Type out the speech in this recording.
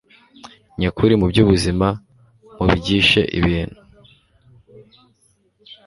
nyakuri mu byubuzima Mubigishe ibintu